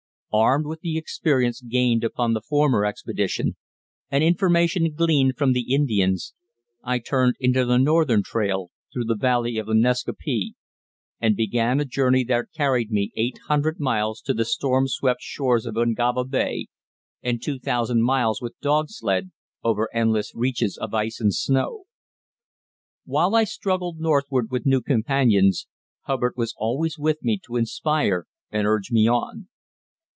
Armed with the experience gained upon the former expedition, and information gleaned from the Indians, I turned into the northern trail, through the valley of the Nascaupee, and began a journey that carried me eight hundred miles to the storm swept shores of Ungava Bay, and two thousand miles with dog sledge over endless reaches of ice and snow. While I struggled northward with new companions, Hubbard was always with me to inspire and urge me on.